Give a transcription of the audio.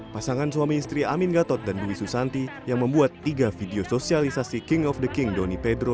pasangan suami istri amin gatot dan dwi susanti yang membuat tiga video sosialisasi king of the king doni pedro